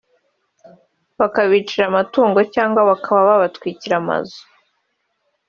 bakabicira amatungo cyangwa bakaba babatwikira inzu